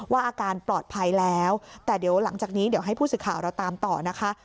อาการปลอดภัยแล้วแต่เดี๋ยวหลังจากนี้เดี๋ยวให้ผู้สื่อข่าวเราตามต่อนะคะ